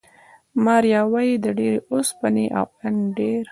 ماریا وايي، د ډېرې اوسپنې او ان ډېر